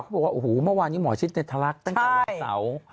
เขาบอกว่าโอ้โหมันวานนี้หมอชิดเนทรักตั้งแต่วันเสาร์